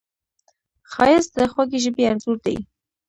ښایست د خوږې ژبې انځور دی